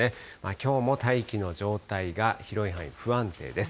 きょうも大気の状態が広い範囲、不安定です。